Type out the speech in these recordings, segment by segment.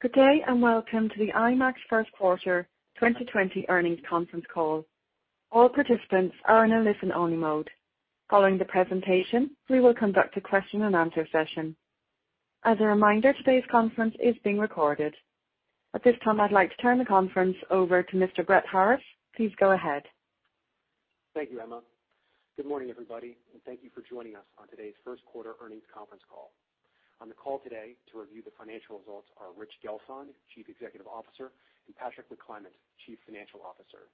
Good day and welcome to the IMAX First Quarter 2020 Earnings Conference Call. All participants are in a listen-only mode. Following the presentation, we will conduct a question-and-answer session. As a reminder, today's conference is being recorded. At this time, I'd like to turn the conference over to Mr. Brett Harriss. Please go ahead. Thank you, Emma. Good morning, everybody, and thank you for joining us on today's First Quarter Earnings Conference Call. On the call today to review the financial results are Rich Gelfond, Chief Executive Officer, and Patrick McClymont, Chief Financial Officer.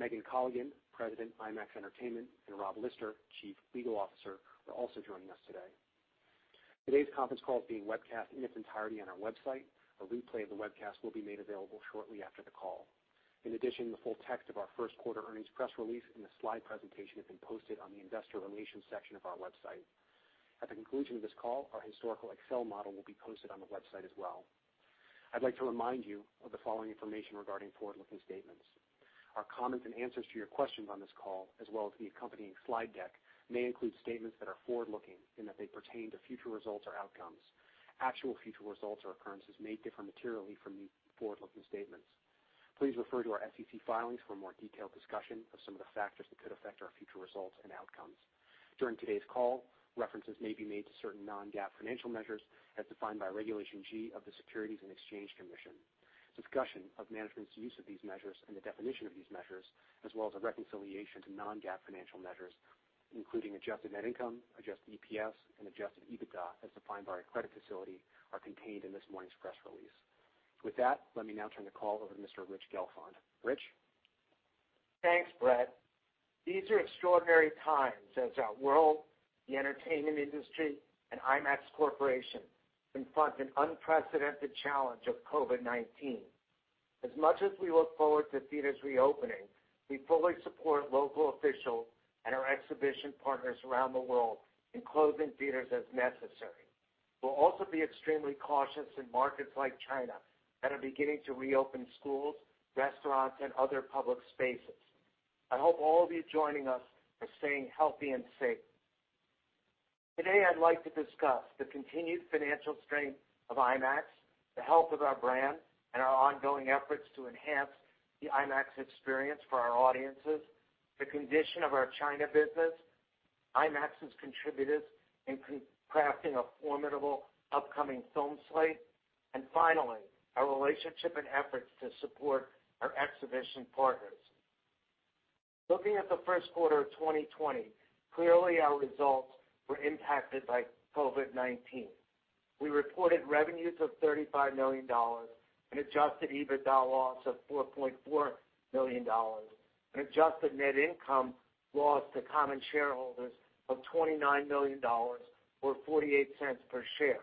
Megan Colligan, President of IMAX Entertainment, and Rob Lister, Chief Legal Officer, are also joining us today. Today's conference call is being webcast in its entirety on our website. A replay of the webcast will be made available shortly after the call. In addition, the full text of our First Quarter earnings press release and the slide presentation have been posted on the Investor Relations section of our website. At the conclusion of this call, our historical Excel model will be posted on the website as well. I'd like to remind you of the following information regarding forward-looking statements. Our comments and answers to your questions on this call, as well as the accompanying slide deck, may include statements that are forward-looking in that they pertain to future results or outcomes. Actual future results or occurrences may differ materially from these forward-looking statements. Please refer to our SEC filings for a more detailed discussion of some of the factors that could affect our future results and outcomes. During today's call, references may be made to certain non-GAAP financial measures as defined by Regulation G of the Securities and Exchange Commission. Discussion of management's use of these measures and the definition of these measures, as well as a reconciliation to non-GAAP financial measures, including Adjusted Net Income, Adjusted EPS, and Adjusted EBITDA as defined by a credit facility, are contained in this morning's press release. With that, let me now turn the call over to Mr. Rich Gelfond. Rich? Thanks, Brett. These are extraordinary times as our world, the entertainment industry, and IMAX Corporation confront an unprecedented challenge of COVID-19. As much as we look forward to theaters reopening, we fully support local officials and our exhibition partners around the world in closing theaters as necessary. We'll also be extremely cautious in markets like China that are beginning to reopen schools, restaurants, and other public spaces. I hope all of you joining us are staying healthy and safe. Today, I'd like to discuss the continued financial strain of IMAX, the health of our brand, and our ongoing efforts to enhance the IMAX experience for our audiences, the condition of our China business, IMAX's contributors in crafting a formidable upcoming film slate, and finally, our relationship and efforts to support our exhibition partners. Looking at the first quarter of 2020, clearly our results were impacted by COVID-19. We reported revenues of $35 million and Adjusted EBITDA loss of $4.4 million, and Adjusted Net Income loss to common shareholders of $29 million or $0.48 per share.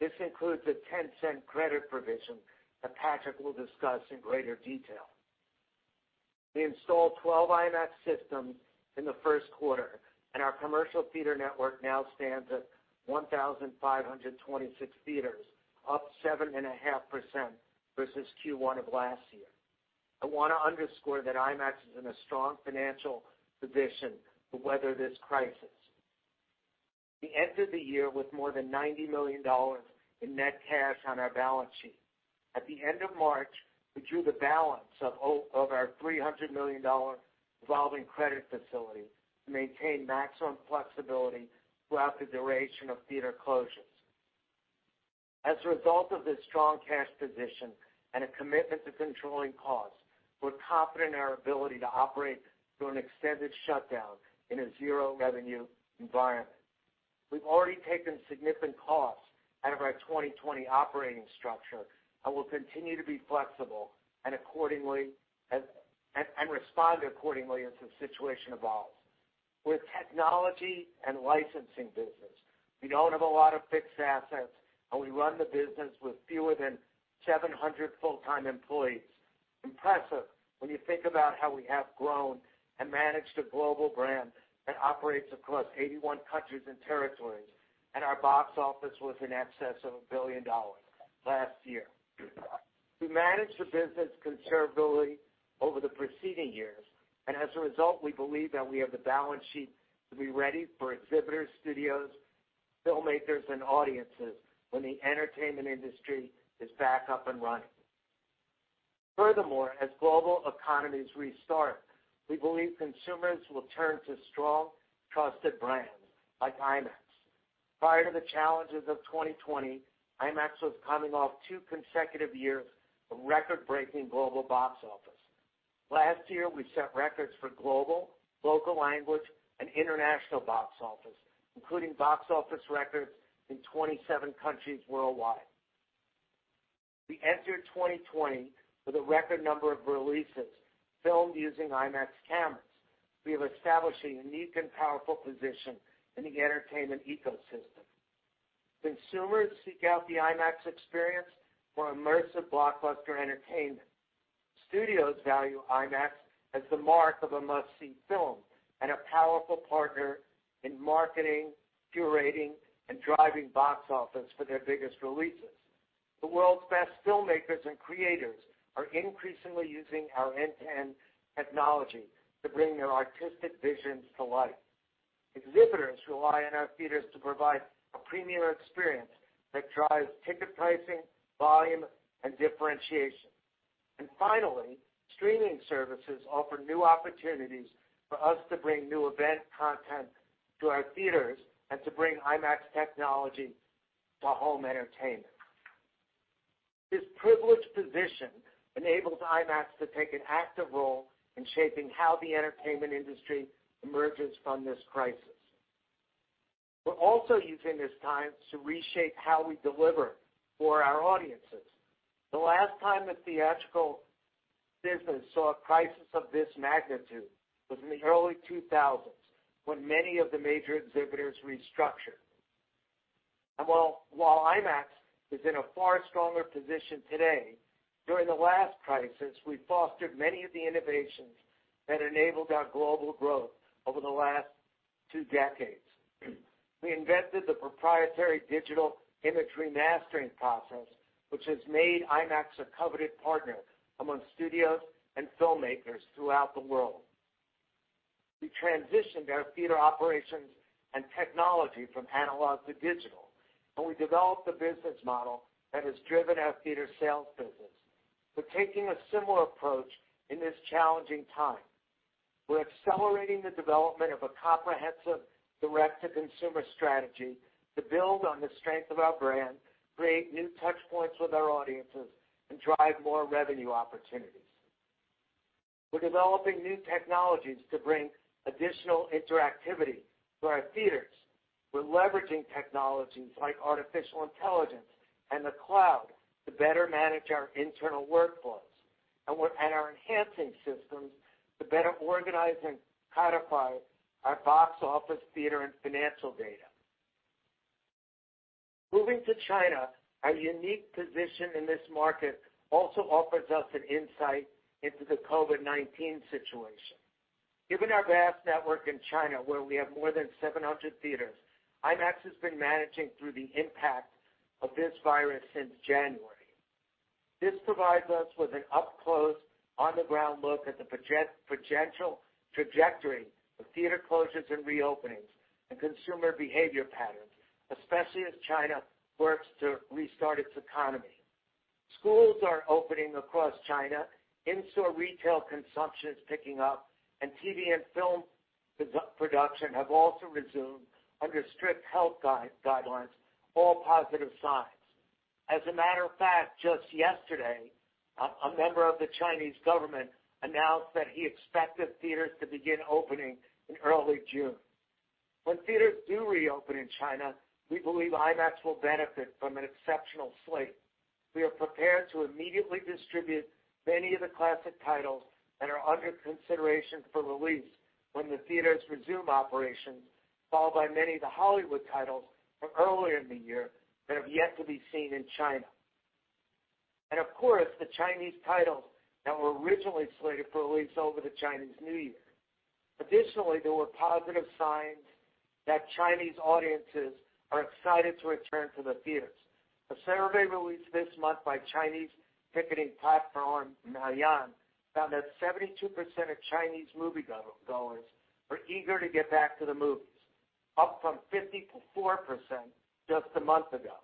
This includes a $0.10 credit provision that Patrick will discuss in greater detail. We installed 12 IMAX systems in the first quarter, and our commercial theater network now stands at 1,526 theaters, up 7.5% versus Q1 of last year. I want to underscore that IMAX is in a strong financial position to weather this crisis. We entered the year with more than $90 million in net cash on our balance sheet. At the end of March, we drew the balance of our $300 million Revolving Credit Facility to maintain maximum flexibility throughout the duration of theater closures. As a result of this strong cash position and a commitment to controlling costs, we're confident in our ability to operate through an extended shutdown in a zero-revenue environment. We've already taken significant costs out of our 2020 operating structure and will continue to be flexible and respond accordingly as the situation evolves. We're a technology and licensing business. We don't have a lot of fixed assets, and we run the business with fewer than 700 full-time employees. Impressive when you think about how we have grown and managed a global brand that operates across 81 countries and territories, and our box office was in excess of $1 billion last year. We managed the business conservatively over the preceding years, and as a result, we believe that we have the balance sheet to be ready for exhibitors, studios, filmmakers, and audiences when the entertainment industry is back up and running. Furthermore, as global economies restart, we believe consumers will turn to strong, trusted brands like IMAX. Prior to the challenges of 2020, IMAX was coming off two consecutive years of record-breaking global box office. Last year, we set records for global, local language, and international box office, including box office records in 27 countries worldwide. We entered 2020 with a record number of releases filmed using IMAX cameras. We have established a unique and powerful position in the entertainment ecosystem. Consumers seek out the IMAX experience for immersive blockbuster entertainment. Studios value IMAX as the mark of a must-see film and a powerful partner in marketing, curating, and driving box office for their biggest releases. The world's best filmmakers and creators are increasingly using our end-to-end technology to bring their artistic visions to life. Exhibitors rely on our theaters to provide a premier experience that drives ticket pricing, volume, and differentiation. And finally, streaming services offer new opportunities for us to bring new event content to our theaters and to bring IMAX technology to home entertainment. This privileged position enables IMAX to take an active role in shaping how the entertainment industry emerges from this crisis. We're also using this time to reshape how we deliver for our audiences. The last time the theatrical business saw a crisis of this magnitude was in the early 2000s when many of the major exhibitors restructured. And while IMAX is in a far stronger position today, during the last crisis, we fostered many of the innovations that enabled our global growth over the last two decades. We invented the proprietary digital imagery mastering process, which has made IMAX a coveted partner among studios and filmmakers throughout the world. We transitioned our theater operations and technology from analog to digital, and we developed a business model that has driven our theater sales business. We're taking a similar approach in this challenging time. We're accelerating the development of a comprehensive direct-to-consumer strategy to billed on the strength of our brand, create new touchpoints with our audiences, and drive more revenue opportunities. We're developing new technologies to bring additional interactivity to our theaters. We're leveraging technologies like artificial intelligence and the cloud to better manage our internal workflows, and we're enhancing systems to better organize and codify our box office theater and financial data. Moving to China, our unique position in this market also offers us an insight into the COVID-19 situation. Given our vast network in China, where we have more than 700 theaters, IMAX has been managing through the impact of this virus since January. This provides us with an up-close, on-the-ground look at the potential trajectory of theater closures and reopenings and consumer behavior patterns, especially as China works to restart its economy. Schools are opening across China, in-store retail consumption is picking up, and TV and film production have also resumed under strict health guidelines, all positive signs. As a matter of fact, just yesterday, a member of the Chinese government announced that he expected theaters to begin opening in early June. When theaters do reopen in China, we believe IMAX will benefit from an exceptional slate. We are prepared to immediately distribute many of the classic titles that are under consideration for release when the theaters resume operations, followed by many of the Hollywood titles from earlier in the year that have yet to be seen in China. And of course, the Chinese titles that were originally slated for release over the Chinese New Year. Additionally, there were positive signs that Chinese audiences are excited to return to the theaters. A survey released this month by Chinese ticketing platform Maoyan found that 72% of Chinese moviegoers were eager to get back to the movies, up from 54% just a month ago.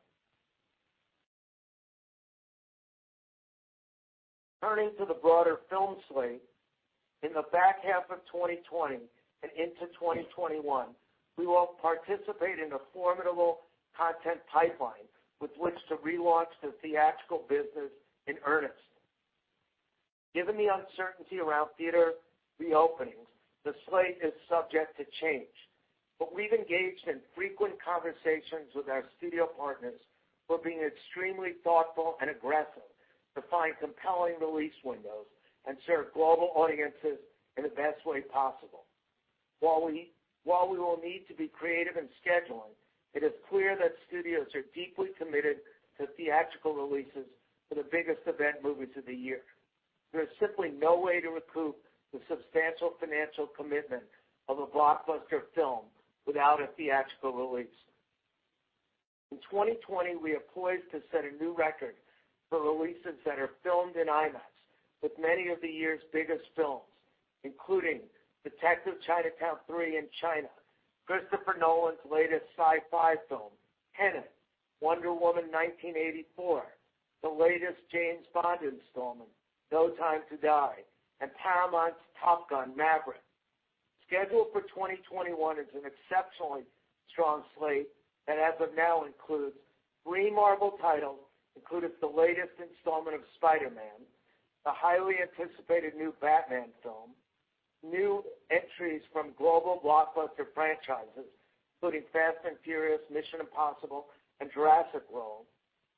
Turning to the broader film slate, in the back half of 2020 and into 2021, we will participate in a formidable content pipeline with which to relaunch the theatrical business in earnest. Given the uncertainty around theater reopenings, the slate is subject to change. But we've engaged in frequent conversations with our studio partners for being extremely thoughtful and aggressive to find compelling release windows and serve global audiences in the best way possible. While we will need to be creative in scheduling, it is clear that studios are deeply committed to theatrical releases for the biggest event movies of the year. There is simply no way to recoup the substantial financial commitment of a blockbuster film without a theatrical release. In 2020, we are poised to set a new record for releases that are filmed in IMAX, with many of the year's biggest films, including Detective Chinatown 3 in China, Christopher Nolan's latest sci-fi film, Tenet, Wonder Woman 1984, the latest James Bond installment, No Time to Die, and Paramount's Top Gun: Maverick. Scheduled for 2021 is an exceptionally strong slate that as of now includes three Marvel titles, including the latest installment of Spider-Man, the highly anticipated new Batman film, new entries from global blockbuster franchises, including Fast and Furious, Mission: Impossible, and Jurassic World,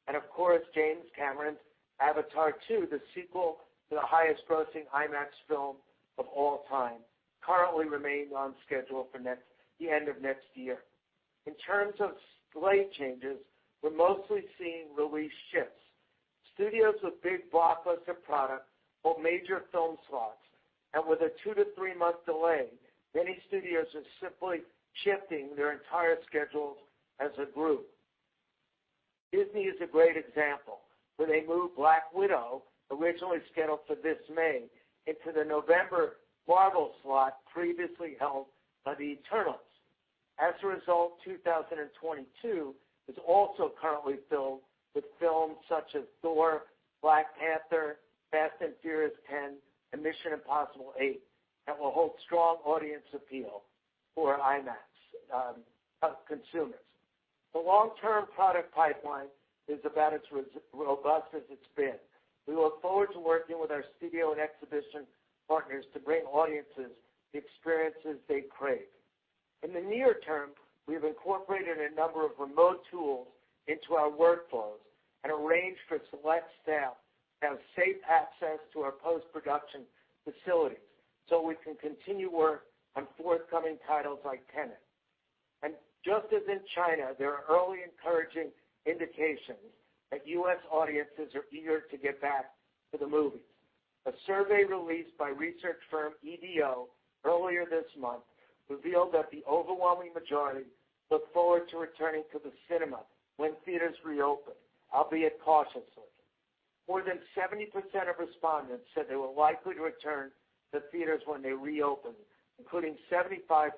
and of course, James Cameron's Avatar 2, the sequel to the highest-grossing IMAX film of all time, currently remaining on schedule for the end of next year. In terms of slate changes, we're mostly seeing release shifts. Studios with big blockbuster products hold major film slots, and with a two to three-month delay, many studios are simply shifting their entire schedules as a group. Disney is a great example, where they moved Black Widow, originally scheduled for this May, into the November Marvel slot previously held by the Eternals. As a result, 2022 is also currently filled with films such as Thor, Black Panther, Fast and Furious 10, and Mission: Impossible 8 that will hold strong audience appeal for IMAX consumers. The long-term product pipeline is about as robust as it's been. We look forward to working with our studio and exhibition partners to bring audiences the experiences they crave. In the near term, we have incorporated a number of remote tools into our workflows and arranged for select staff to have safe access to our post-production facilities so we can continue work on forthcoming titles like Tenet. And just as in China, there are early encouraging indications that U.S. audiences are eager to get back to the movies. A survey released by research firm EDO earlier this month revealed that the overwhelming majority look forward to returning to the cinema when theaters reopen, albeit cautiously. More than 70% of respondents said they were likely to return to theaters when they reopened, including 75%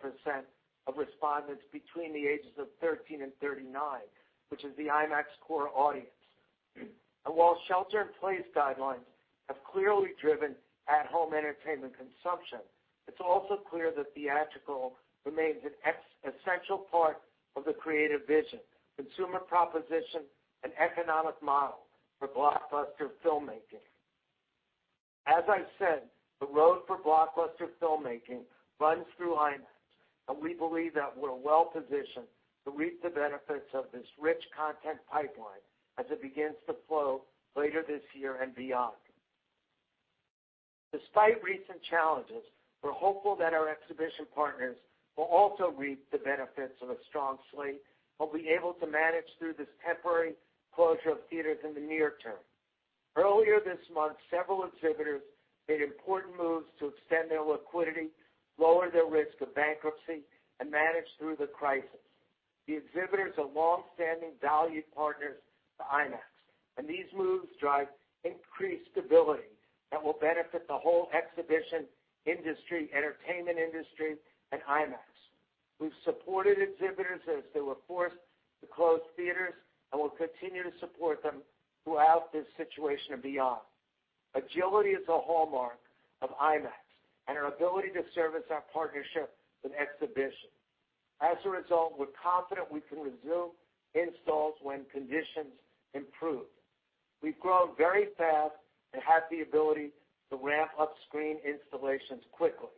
of respondents between the ages of 13 and 39, which is the IMAX core audience. And while shelter-in-place guidelines have clearly driven at-home entertainment consumption, it's also clear that theatrical remains an essential part of the creative vision, consumer proposition, and economic model for blockbuster filmmaking. As I said, the road for blockbuster filmmaking runs through IMAX, and we believe that we're well-positioned to reap the benefits of this rich content pipeline as it begins to flow later this year and beyond. Despite recent challenges, we're hopeful that our exhibition partners will also reap the benefits of a strong slate and will be able to manage through this temporary closure of theaters in the near term. Earlier this month, several exhibitors made important moves to extend their liquidity, lower their risk of bankruptcy, and manage through the crisis. The exhibitors are long-standing valued partners to IMAX, and these moves drive increased stability that will benefit the whole exhibition industry, entertainment industry, and IMAX. We've supported exhibitors as they were forced to close theaters and will continue to support them throughout this situation and beyond. Agility is a hallmark of IMAX and our ability to service our partnership with exhibitors. As a result, we're confident we can resume installs when conditions improve. We've grown very fast and have the ability to ramp up screen installations quickly.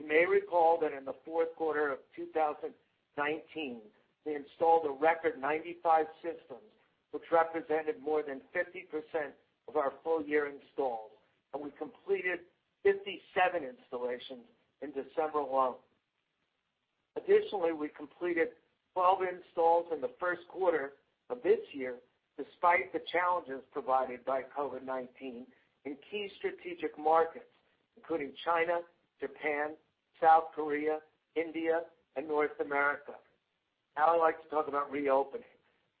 You may recall that in the fourth quarter of 2019, we installed a record 95 systems, which represented more than 50% of our full-year installs, and we completed 57 installations in December alone. Additionally, we completed 12 installs in the first quarter of this year, despite the challenges provided by COVID-19 in key strategic markets, including China, Japan, South Korea, India, and North America. Now I'd like to talk about reopening.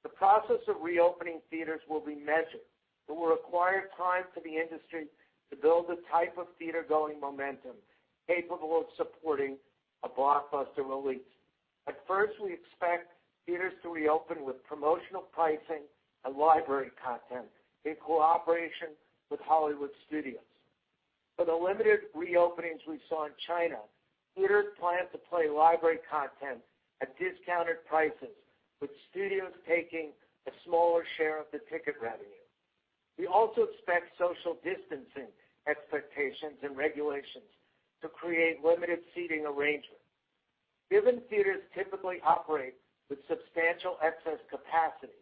The process of reopening theaters will be measured, but will require time for the industry to billed the type of theater-going momentum capable of supporting a blockbuster release. At first, we expect theaters to reopen with promotional pricing and library content in cooperation with Hollywood studios. For the limited reopenings we saw in China, theaters plan to play library content at discounted prices, with studios taking a smaller share of the ticket revenue. We also expect social distancing expectations and regulations to create limited seating arrangements. Given theaters typically operate with substantial excess capacity,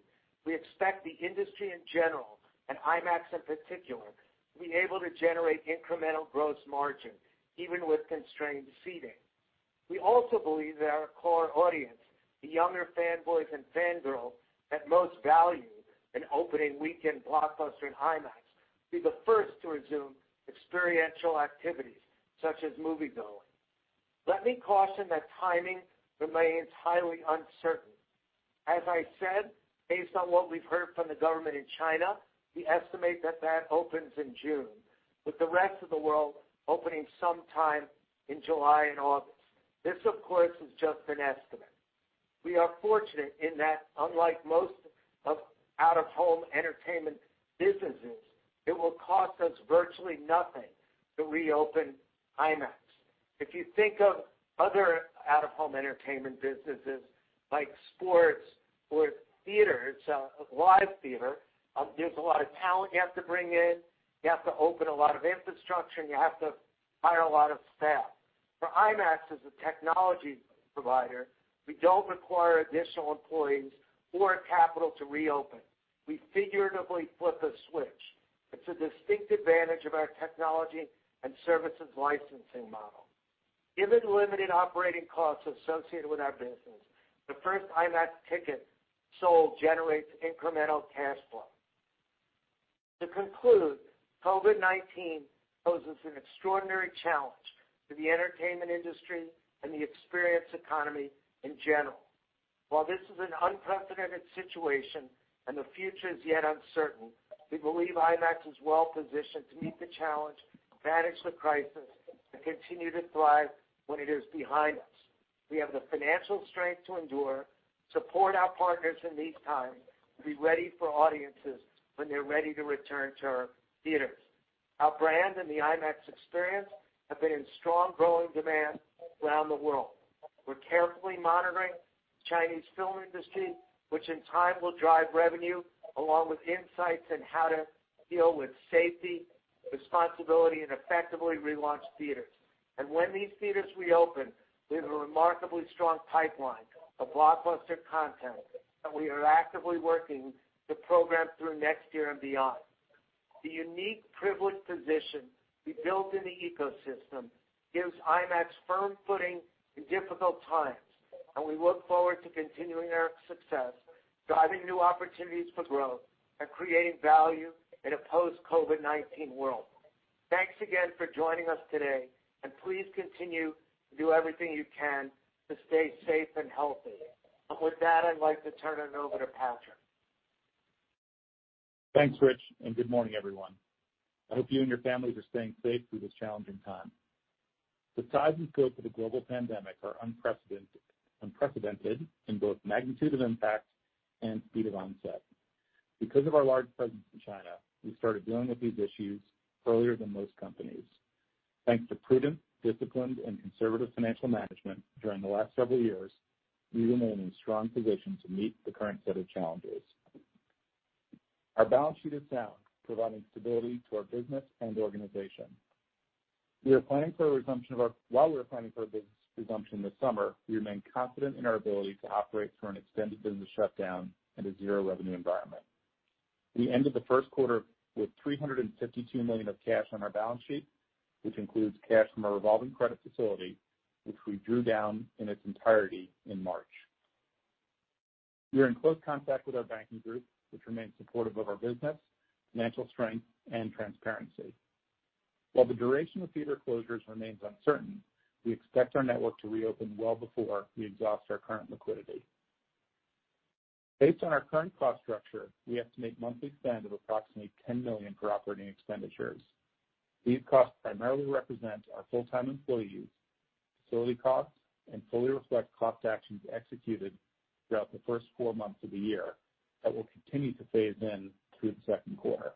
we expect the industry in general and IMAX in particular to be able to generate incremental gross margin even with constrained seating. We also believe that our core audience, the younger fanboys and fangirls that most value an opening weekend blockbuster in IMAX, will be the first to resume experiential activities such as moviegoing. Let me caution that timing remains highly uncertain. As I said, based on what we've heard from the government in China, we estimate that that opens in June, with the rest of the world opening sometime in July and August. This, of course, is just an estimate. We are fortunate in that, unlike most out-of-home entertainment businesses, it will cost us virtually nothing to reopen IMAX. If you think of other out-of-home entertainment businesses like sports or theaters, live theater, there's a lot of talent you have to bring in. You have to open a lot of infrastructure, and you have to hire a lot of staff. For IMAX, as a technology provider, we don't require additional employees or capital to reopen. We figuratively flip a switch. It's a distinct advantage of our technology and services licensing model. Given limited operating costs associated with our business, the first IMAX ticket sold generates incremental cash flow. To conclude, COVID-19 poses an extraordinary challenge to the entertainment industry and the experience economy in general. While this is an unprecedented situation and the future is yet uncertain, we believe IMAX is well-positioned to meet the challenge, manage the crisis, and continue to thrive when it is behind us. We have the financial strength to endure, support our partners in these times, and be ready for audiences when they're ready to return to our theaters. Our brand and the IMAX experience have been in strong growing demand around the world. We're carefully monitoring the Chinese film industry, which in time will drive revenue along with insights in how to deal with safety, responsibility, and effectively relaunch theaters, and when these theaters reopen, we have a remarkably strong pipeline of blockbuster content that we are actively working to program through next year and beyond. The unique privileged position we built in the ecosystem gives IMAX firm footing in difficult times, and we look forward to continuing our success, driving new opportunities for growth, and creating value in a post-COVID-19 world. Thanks again for joining us today, and please continue to do everything you can to stay safe and healthy. And with that, I'd like to turn it over to Patrick. Thanks, Rich, and good morning, everyone. I hope you and your families are staying safe through this challenging time. The ties we've built with the global pandemic are unprecedented in both magnitude of impact and speed of onset. Because of our large presence in China, we started dealing with these issues earlier than most companies. Thanks to prudent, disciplined, and conservative financial management during the last several years, we remain in a strong position to meet the current set of challenges. Our balance sheet is sound, providing stability to our business and organization. While we are planning for a resumption of our business this summer, we remain confident in our ability to operate through an extended business shutdown and a zero-revenue environment. We ended the first quarter with $352 million of cash on our balance sheet, which includes cash from a revolving credit facility, which we drew down in its entirety in March. We are in close contact with our banking group, which remains supportive of our business, financial strength, and transparency. While the duration of theater closures remains uncertain, we expect our network to reopen well before we exhaust our current liquidity. Based on our current cost structure, we estimate monthly spend of approximately $10 million for operating expenditures. These costs primarily represent our full-time employees, facility costs, and fully reflect cost actions executed throughout the first four months of the year that will continue to phase in through the second quarter.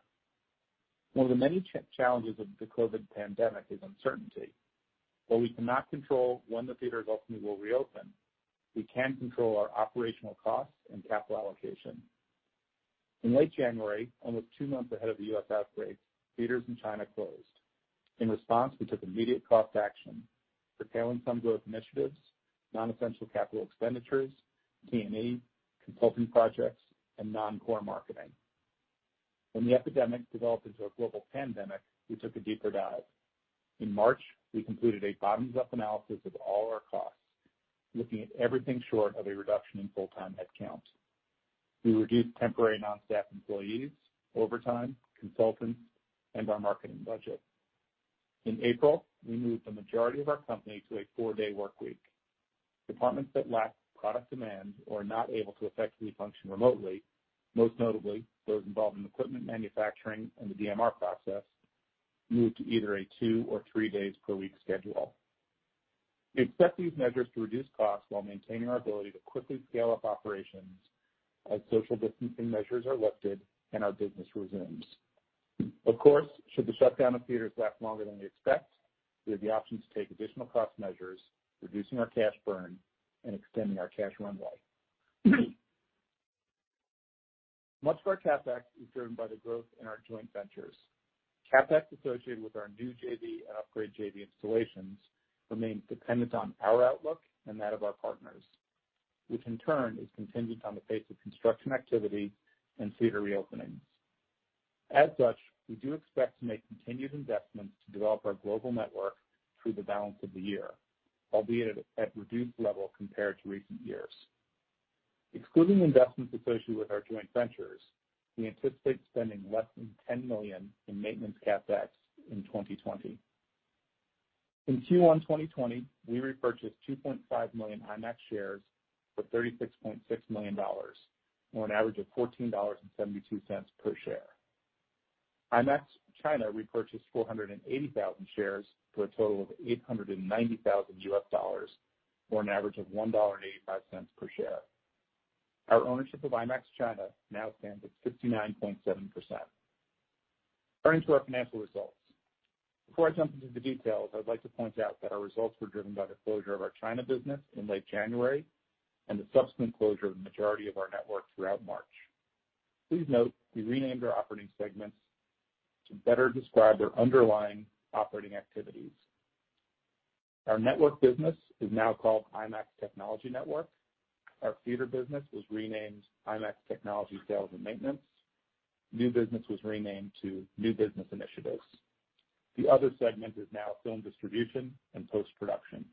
One of the many challenges of the COVID pandemic is uncertainty. While we cannot control when the theaters ultimately will reopen, we can control our operational costs and capital allocation. In late January, almost two months ahead of the U.S. outbreak, theaters in China closed. In response, we took immediate cost action, curtailing some growth initiatives, non-essential capital expenditures, T&E, consulting projects, and non-core marketing. When the epidemic developed into a global pandemic, we took a deeper dive. In March, we completed a bottoms-up analysis of all our costs, looking at everything short of a reduction in full-time headcount. We reduced temporary non-staff employees, overtime, consultants, and our marketing budget. In April, we moved the majority of our company to a four-day workweek. Departments that lack product demand or are not able to effectively function remotely, most notably those involved in equipment manufacturing and the DMR process, moved to either a two or three-days-per-week schedule. We accept these measures to reduce costs while maintaining our ability to quickly scale up operations as social distancing measures are lifted and our business resumes. Of course, should the shutdown of theaters last longer than we expect, we have the option to take additional cost measures, reducing our cash burn and extending our cash runway. Much of our CapEx is driven by the growth in our joint ventures. CapEx associated with our new JV and upgrade JV installations remains dependent on our outlook and that of our partners, which in turn is contingent on the pace of construction activity and theater reopenings. As such, we do expect to make continued investments to develop our global network through the balance of the year, albeit at a reduced level compared to recent years. Excluding investments associated with our joint ventures, we anticipate spending less than $10 million in maintenance CapEx in 2020. In Q1 2020, we repurchased 2.5 million IMAX shares for $36.6 million or an average of $14.72 per share. IMAX China repurchased 480,000 shares for a total of $890,000 or an average of $1.85 per share. Our ownership of IMAX China now stands at 69.7%. Turning to our financial results. Before I jump into the details, I'd like to point out that our results were driven by the closure of our China business in late January and the subsequent closure of the majority of our network throughout March. Please note we renamed our operating segments to better describe our underlying operating activities. Our network business is now called IMAX Technology Network. Our theater business was renamed IMAX Technology Sales and Maintenance. New business was renamed to New Business Initiatives. The other segment is now Film Distribution and Post-Production.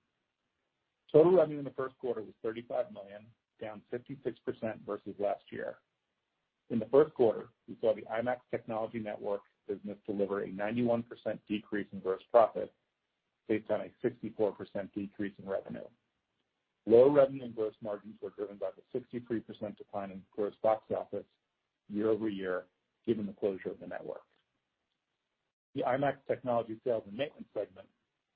Total revenue in the first quarter was $35 million, down 56% versus last year. In the first quarter, we saw the IMAX Technology Network business deliver a 91% decrease in gross profit based on a 64% decrease in revenue. Low revenue and gross margins were driven by the 63% decline in gross box office year over year given the closure of the network. The IMAX Technology Sales and Maintenance segment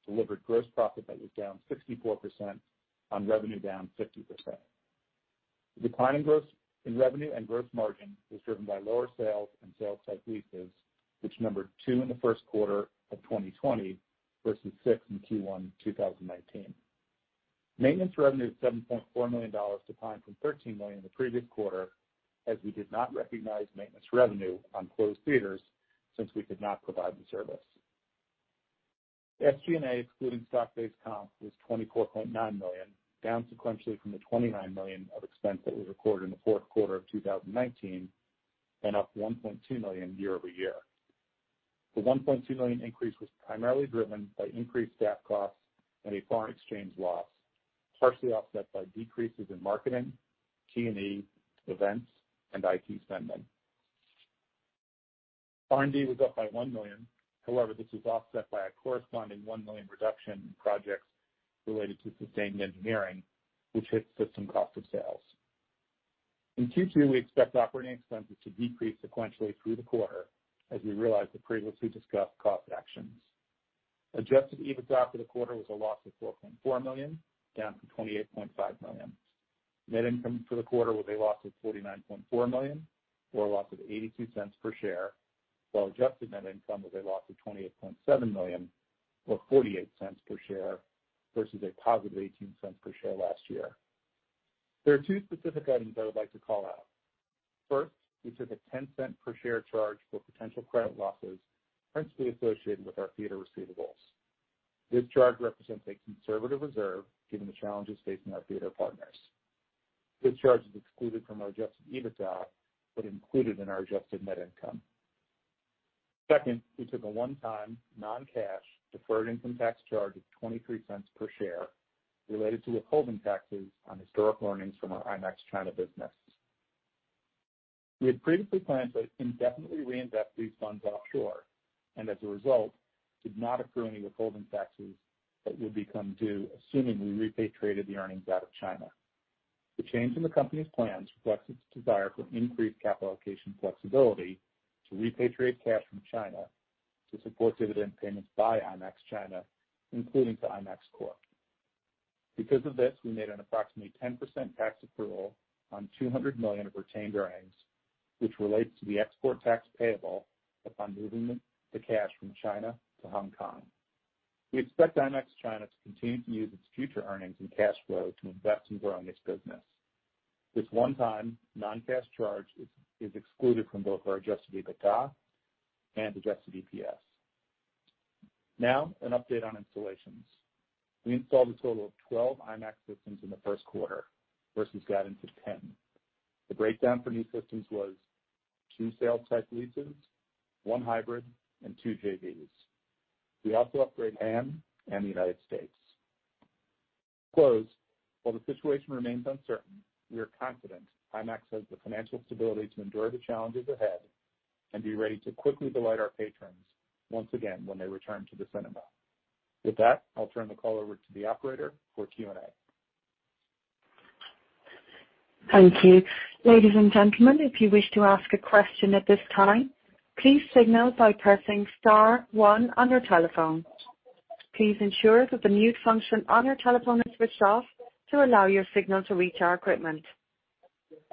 delivered gross profit that was down 64% on revenue down 50%. The decline in revenue and gross margin was driven by lower sales and sales-type leases, which numbered two in the first quarter of 2020 versus six in Q1 2019. Maintenance revenue of $7.4 million declined from $13 million in the previous quarter as we did not recognize maintenance revenue on closed theaters since we could not provide the service. SG&A, excluding stock-based comp, was $24.9 million, down sequentially from the $29 million of expense that was recorded in the fourth quarter of 2019 and up $1.2 million year-over-year. The $1.2 million increase was primarily driven by increased staff costs and a foreign exchange loss, partially offset by decreases in marketing, T&E, events, and IT spending. R&D was up by $1 million. However, this was offset by a corresponding $1 million reduction in projects related to sustaining engineering, which hit system cost of sales. In Q2, we expect operating expenses to decrease sequentially through the quarter as we realize the previously discussed cost actions. Adjusted EBITDA for the quarter was a loss of $4.4 million, down from $28.5 million. Net income for the quarter was a loss of $49.4 million or a loss of $0.82 per share, while Adjusted Net Income was a loss of $28.7 million or $0.48 per share versus a positive $0.18 per share last year. There are two specific items I would like to call out. First, we took a $0.10 per share charge for potential credit losses principally associated with our theater receivables. This charge represents a conservative reserve given the challenges facing our theater partners. This charge is excluded from our Adjusted EBITDA but included in our Adjusted Net Income. Second, we took a one-time, non-cash deferred income tax charge of $0.23 per share related to withholding taxes on historic earnings from our IMAX China business. We had previously planned to indefinitely reinvest these funds offshore and, as a result, did not accrue any withholding taxes that would become due, assuming we repatriated the earnings out of China. The change in the company's plans reflects its desire for increased capital allocation flexibility to repatriate cash from China to support dividend payments by IMAX China, including to IMAX Corp. Because of this, we made an approximately 10% tax accrual on $200 million of retained earnings, which relates to the export tax payable upon moving the cash from China to Hong Kong. We expect IMAX China to continue to use its future earnings and cash flow to invest in growing its business. This one-time, non-cash charge is excluded from both our Adjusted EBITDA and Adjusted EPS. Now, an update on installations. We installed a total of 12 IMAX systems in the first quarter versus 10. The breakdown for new systems was two sales-type leases, one hybrid, and two JVs. We also upgraded in Japan and the United States. To close, while the situation remains uncertain, we are confident IMAX has the financial stability to endure the challenges ahead and be ready to quickly delight our patrons once again when they return to the cinema. With that, I'll turn the call over to the operator for Q&A. Thank you. Ladies and gentlemen, if you wish to ask a question at this time, please signal by pressing star one on your telephone. Please ensure that the mute function on your telephone is switched off to allow your signal to reach our equipment.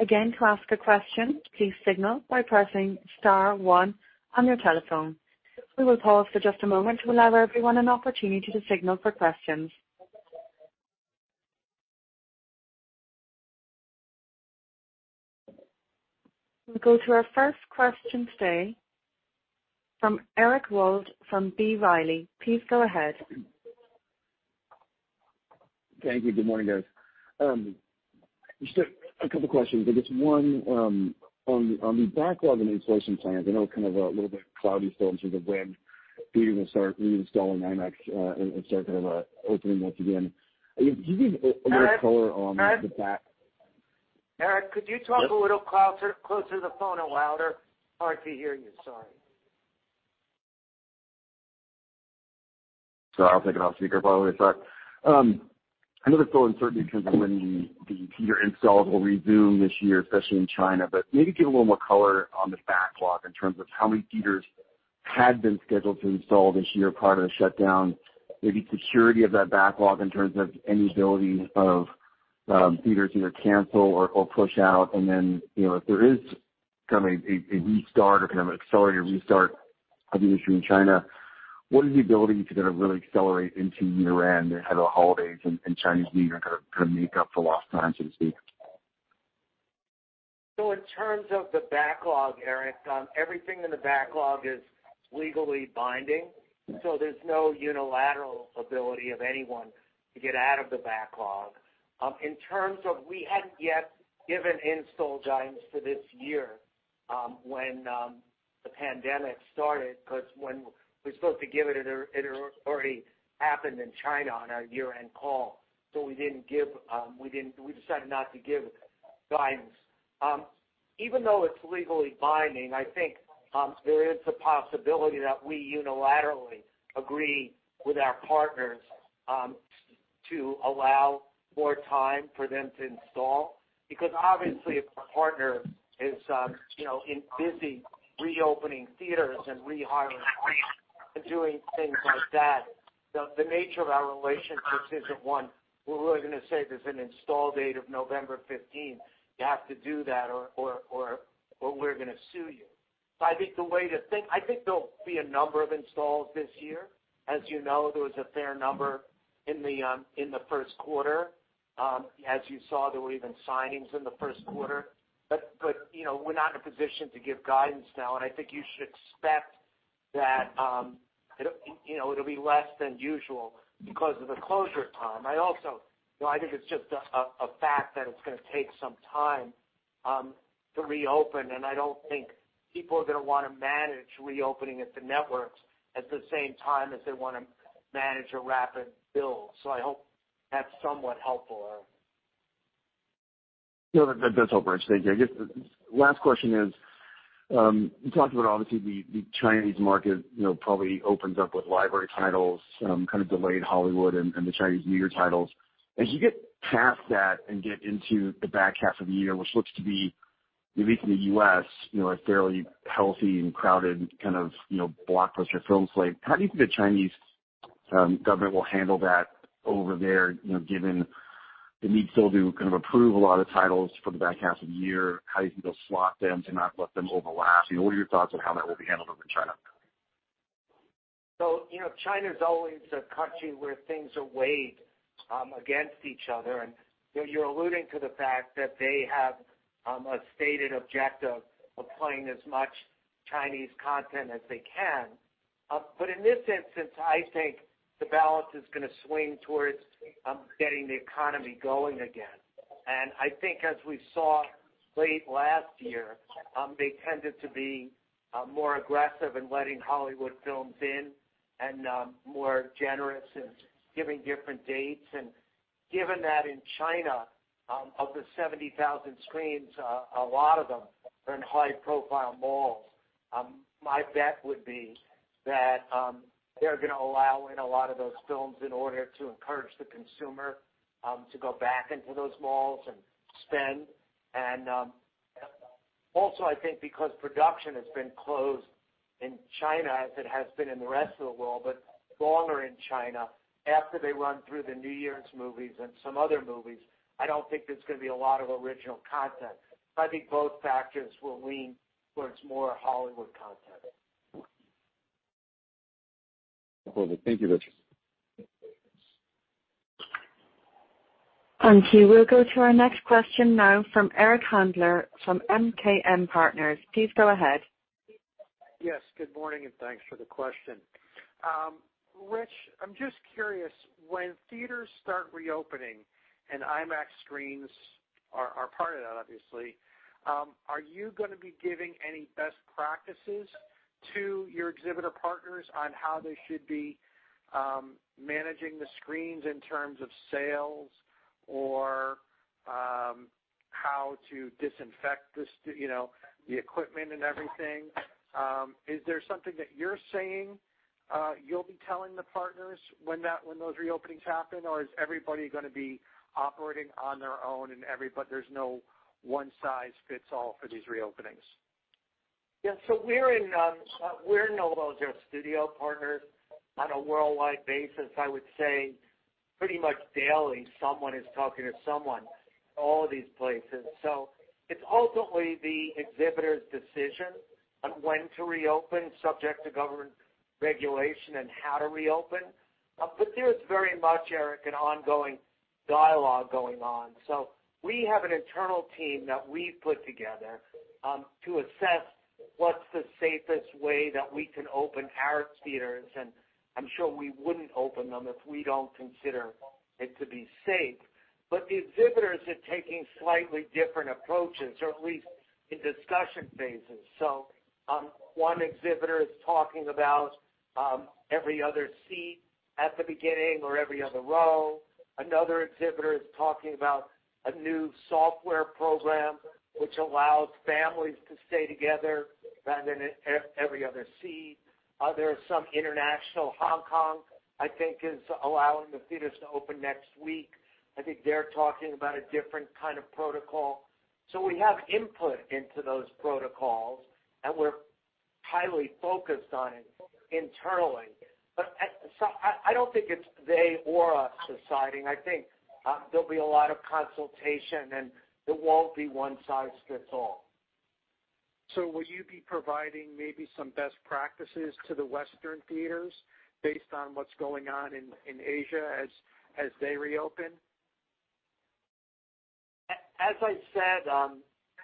Again, to ask a question, please signal by pressing star one on your telephone. We will pause for just a moment to allow everyone an opportunity to signal for questions. We'll go to our first question today from Eric Wold from B. Riley. Please go ahead. Thank you. Good morning, guys. Just a couple of questions. I guess one, on the backlog in the installation plans. I know it's kind of a little bit cloudy still in terms of when we will start reinstalling IMAX, and start kind of opening once again. Do you need a little color on the backlog? Eric, could you talk a little closer to the phone or louder? Hard to hear you. Sorry. Sorry, I'll take it off speaker for a moment. Sorry. I know there's still uncertainty in terms of when the theater installs will resume this year, especially in China, but maybe give a little more color on the backlog in terms of how many theaters had been scheduled to install this year prior to the shutdown, maybe security of that backlog in terms of any ability of theaters either cancel or push out. And then, you know, if there is kind of a restart or kind of an accelerated restart of the industry in China, what is the ability to kind of really accelerate into year-end ahead of the holidays and Chinese New Year and kind of make up for lost time, so to speak? So in terms of the backlog, Eric, everything in the backlog is legally binding, so there's no unilateral ability of anyone to get out of the backlog. In terms of, we hadn't yet given install guidance for this year when the pandemic started, because when we're supposed to give it, it had already happened in China on our year-end call, so we didn't give. We decided not to give guidance. Even though it's legally binding, I think there is a possibility that we unilaterally agree with our partners to allow more time for them to install, because obviously if a partner is, you know, busy reopening theaters and rehiring and doing things like that, the nature of our relationship isn't one, "We're really going to say there's an install date of November 15th. You have to do that or we're going to sue you." So I think the way to think, I think there'll be a number of installs this year. As you know, there was a fair number in the first quarter. As you saw, there were even signings in the first quarter. But, you know, we're not in a position to give guidance now, and I think you should expect that, it'll, you know, it'll be less than usual because of the closure time. I also, you know, I think it's just a fact that it's going to take some time to reopen, and I don't think people are going to want to manage reopening at the networks at the same time as they want to manage a rapid billed. So I hope that's somewhat helpful, Eric. No, that's all for us. Thank you. I guess the last question is, you talked about obviously the Chinese market, you know, probably opens up with library titles, kind of delayed Hollywood and the Chinese New Year titles. As you get past that and get into the back half of the year, which looks to be, at least in the U.S., you know, a fairly healthy and crowded kind of, you know, blockbuster film slate, how do you think the Chinese government will handle that over there, you know, given they need still to kind of approve a lot of titles for the back half of the year? How do you think they'll slot them to not let them overlap? You know, what are your thoughts on how that will be handled over in China? So, you know, China's always a country where things are weighed against each other, and, you know, you're alluding to the fact that they have a stated objective of playing as much Chinese content as they can. But in this instance, I think the balance is going to swing towards getting the economy going again. And I think as we saw late last year, they tended to be more aggressive in letting Hollywood films in and more generous in giving different dates. And given that in China, of the 70,000 screens, a lot of them are in high-profile malls, my bet would be that they're going to allow in a lot of those films in order to encourage the consumer to go back into those malls and spend. And also, I think because production has been closed in China as it has been in the rest of the world, but longer in China, after they run through the New Year's movies and some other movies, I don't think there's going to be a lot of original content. So I think both factors will lean towards more Hollywood content. Perfect. Thank you, Rich. Thank you. We'll go to our next question now from Eric Handler from MKM Partners. Please go ahead. Yes, good morning and thanks for the question. Rich, I'm just curious, when theaters start reopening and IMAX screens are part of that, obviously, are you going to be giving any best practices to your exhibitor partners on how they should be managing the screens in terms of sales or how to disinfect, you know, the equipment and everything? Is there something that you're saying you'll be telling the partners when those reopenings happen, or is everybody going to be operating on their own and everybody, there's no one-size-fits-all for these reopenings? Yeah, so we're in all those studio partners on a worldwide basis. I would say pretty much daily someone is talking to someone at all of these places. So it's ultimately the exhibitor's decision on when to reopen, subject to government regulation and how to reopen. But there's very much, Eric, an ongoing dialogue going on. So we have an internal team that we've put together, to assess what's the safest way that we can open our theaters, and I'm sure we wouldn't open them if we don't consider it to be safe. But the exhibitors are taking slightly different approaches, or at least in discussion phases. So, one exhibitor is talking about, every other seat at the beginning or every other row. Another exhibitor is talking about a new software program which allows families to stay together rather than every other seat. There's some international Hong Kong, I think, is allowing the theaters to open next week. I think they're talking about a different kind of protocol. So we have input into those protocols, and we're highly focused on it internally. But so I don't think it's they or us deciding. I think, there'll be a lot of consultation, and there won't be one-size-fits-all. So will you be providing maybe some best practices to the Western theaters based on what's going on in Asia as they reopen? As I said,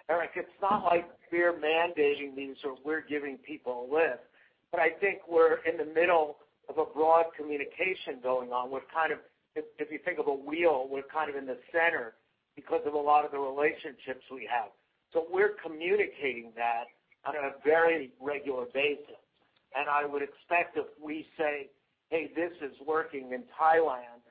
Eric, it's not like we're mandating these or we're giving people a lift, but I think we're in the middle of a broad communication going on. We're kind of, if you think of a wheel, we're kind of in the center because of a lot of the relationships we have. So we're communicating that on a very regular basis. I would expect if we say, "Hey, this is working in Thailand,"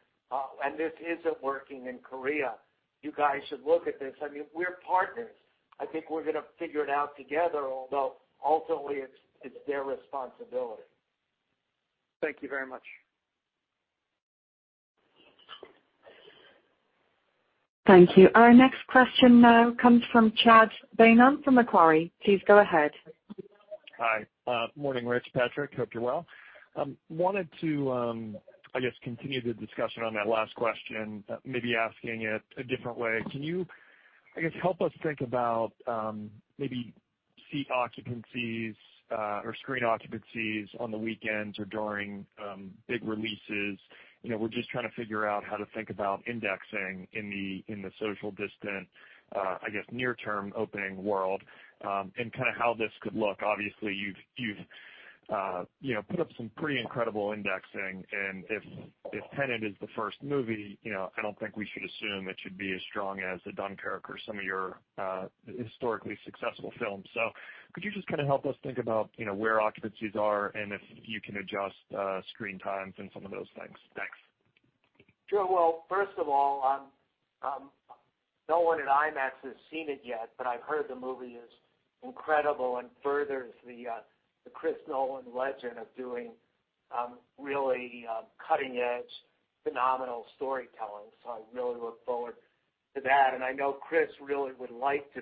and this isn't working in Korea, you guys should look at this. I mean, we're partners. I think we're going to figure it out together, although ultimately it's their responsibility. Thank you very much. Thank you. Our next question now comes from Chad Beynon from Macquarie. Please go ahead. Hi. Morning, Rich, Patrick. Hope you're well. I wanted to, I guess, continue the discussion on that last question, maybe asking it a different way. Can you, I guess, help us think about, maybe seat occupancies, or screen occupancies on the weekends or during big releases? You know, we're just trying to figure out how to think about indexing in the, in the socially distant, I guess, near-term opening world, and kind of how this could look. Obviously, you've you know, put up some pretty incredible indexing, and if Tenet is the first movie, you know, I don't think we should assume it should be as strong as a Dunkirk or some of your historically successful films. So could you just kind of help us think about, you know, where occupancies are and if you can adjust screen times and some of those things? Thanks. Sure. Well, first of all, no one at IMAX has seen it yet, but I've heard the movie is incredible and furthers the Chris Nolan legend of doing really cutting-edge phenomenal storytelling. So I really look forward to that. And I know Chris really would like to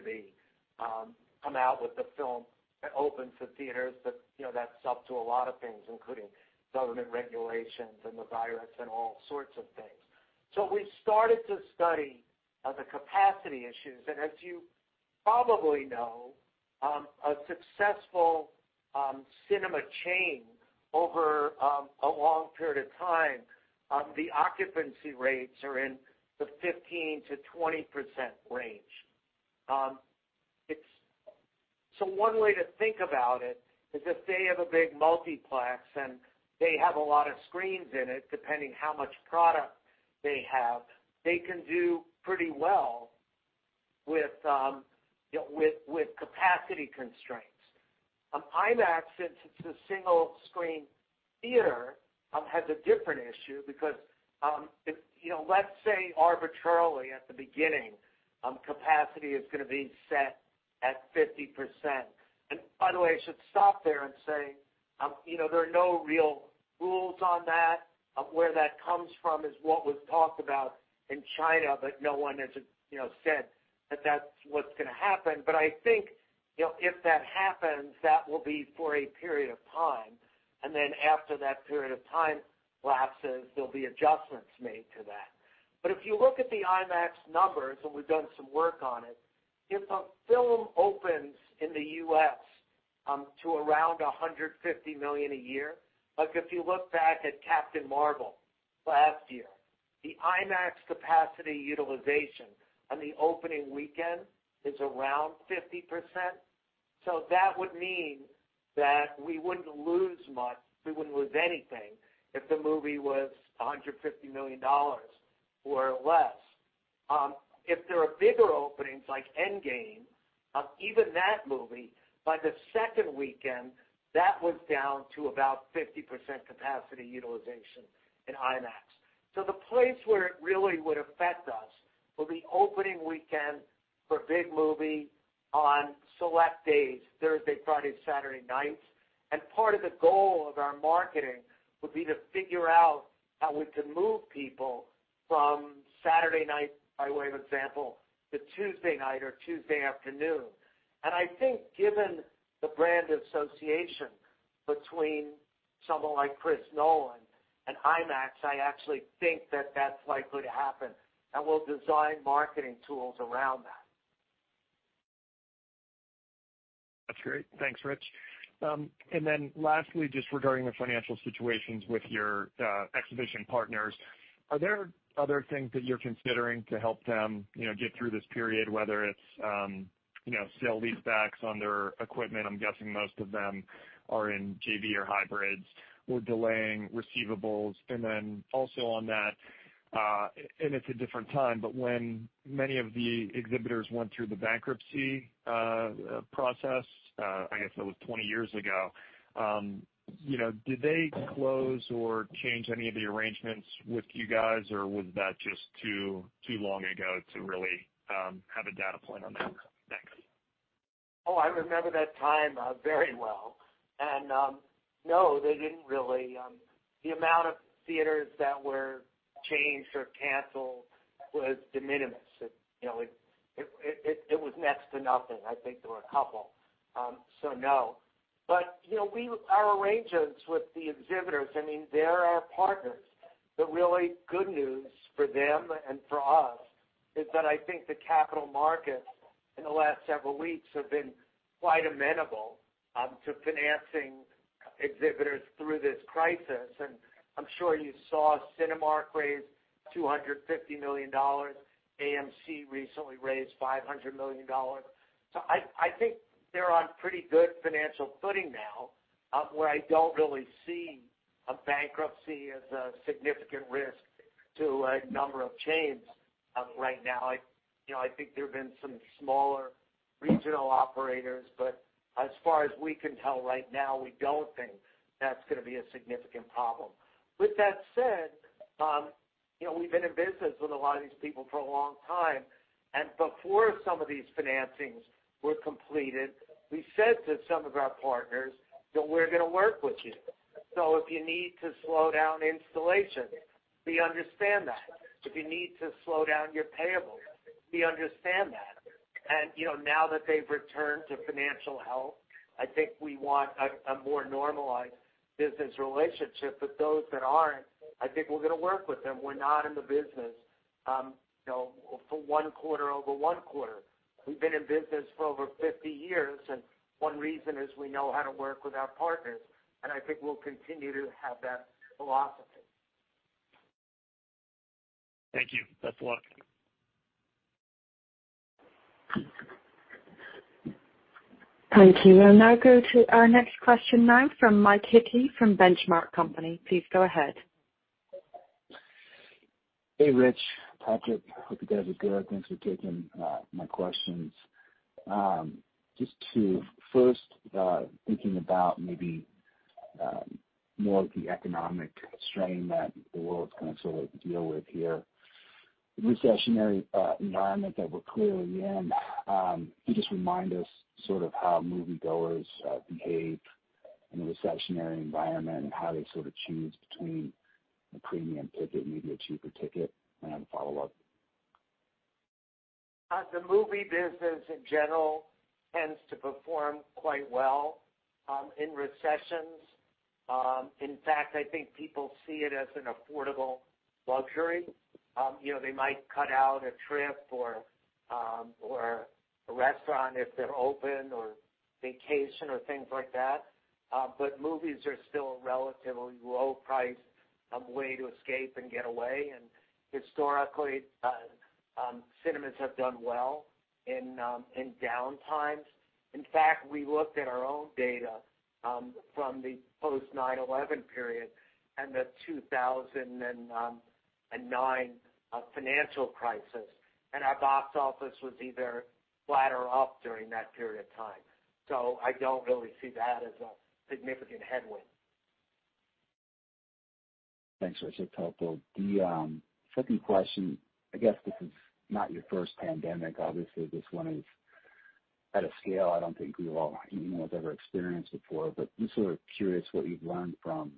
come out with the film that opens the theaters, but you know, that's up to a lot of things, including government regulations and the virus and all sorts of things. So we've started to study the capacity issues, and as you probably know, a successful cinema chain over a long period of time, the occupancy rates are in the 15%-20% range. It's so one way to think about it is if they have a big multiplex and they have a lot of screens in it, depending how much product they have, they can do pretty well with, you know, with capacity constraints. IMAX, since it's a single-screen theater, has a different issue because, you know, let's say arbitrarily at the beginning, capacity is going to be set at 50%. And by the way, I should stop there and say, you know, there are no real rules on that. Where that comes from is what was talked about in China, but no one has said that that's what's going to happen. But I think, you know, if that happens, that will be for a period of time. And then after that period of time lapses, there'll be adjustments made to that. But if you look at the IMAX numbers, and we've done some work on it, if a film opens in the U.S. to around $150 million a year, like if you look back at Captain Marvel last year, the IMAX capacity utilization on the opening weekend is around 50%. So that would mean that we wouldn't lose much. We wouldn't lose anything if the movie was $150 million or less. If there are bigger openings like Endgame, even that movie, by the second weekend, that was down to about 50% capacity utilization in IMAX. So the place where it really would affect us will be opening weekend for big movie on select days, Thursday, Friday, Saturday nights. And part of the goal of our marketing would be to figure out how we can move people from Saturday night, by way of example, to Tuesday night or Tuesday afternoon. And I think given the brand association between someone like Chris Nolan and IMAX, I actually think that that's likely to happen. And we'll design marketing tools around that. That's great. Thanks, Rich. And then lastly, just regarding the financial situations with your exhibition partners, are there other things that you're considering to help them, you know, get through this period, whether it's, you know, sale-leasebacks on their equipment? I'm guessing most of them are in JV or hybrids or delaying receivables. And then also on that, and it's a different time, but when many of the exhibitors went through the bankruptcy process, I guess that was 20 years ago, you know, did they close or change any of the arrangements with you guys, or was that just too long ago to really have a data point on that? Thanks. Oh, I remember that time very well, and no, they didn't really. The amount of theaters that were changed or canceled was de minimis. It, you know, it was next to nothing. I think there were a couple, so no. But, you know, we, our arrangements with the exhibitors, I mean, they're our partners. The really good news for them and for us is that I think the capital markets in the last several weeks have been quite amenable to financing exhibitors through this crisis. I'm sure you saw Cinemark raise $250 million. AMC recently raised $500 million. I think they're on pretty good financial footing now, where I don't really see a bankruptcy as a significant risk to a number of chains right now. You know, I think there have been some smaller regional operators, but as far as we can tell right now, we don't think that's going to be a significant problem. With that said, you know, we've been in business with a lot of these people for a long time. Before some of these financings were completed, we said to some of our partners, you know, we're going to work with you. If you need to slow down installations, we understand that. If you need to slow down your payables, we understand that. You know, now that they've returned to financial health, I think we want a more normalized business relationship. But those that aren't, I think we're going to work with them. We're not in the business, you know, for one quarter over one quarter. We've been in business for over 50 years, and one reason is we know how to work with our partners. And I think we'll continue to have that philosophy. Thank you. Best of luck. Thank you. Now go to our next question now from Mike Hickey from Benchmark Company. Please go ahead. Hey, Rich, Patrick. Hope you guys are good. Thanks for taking my questions. Just to start, thinking about maybe more of the economic strain that the world's going to sort of deal with here, the recessionary environment that we're clearly in, can you just remind us sort of how moviegoers behave in a recessionary environment and how they sort of choose between a premium ticket, maybe a cheaper ticket? I have a follow-up. The movie business in general tends to perform quite well in recessions. In fact, I think people see it as an affordable luxury. You know, they might cut out a trip or a restaurant if they're open or vacation or things like that. But movies are still a relatively low-priced way to escape and get away. Historically, cinemas have done well in downtimes. In fact, we looked at our own data from the post-9/11 period and the 2008 and 2009 financial crisis, and our box office was either flat or up during that period of time. So I don't really see that as a significant headwind. Thanks, Rich Gelfond. The second question, I guess this is not your first pandemic. Obviously, this one is at a scale I don't think anyone's ever experienced before, but just sort of curious what you've learned from